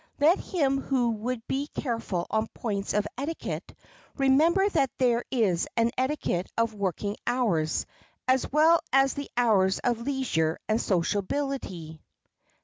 Let him who would be careful on points of etiquette remember that there is an etiquette of working hours as well as of the hours of leisure and sociability.